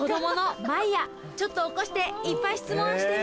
ちょっと起こしていっぱい質問してみよう！